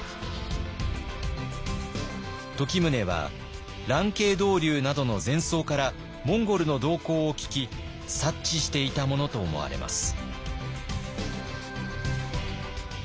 時宗は蘭渓道隆などの禅僧からモンゴルの動向を聞き察知していたものと思われます。